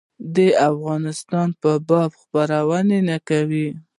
د افغانستان په باب خپرونې نه کولې.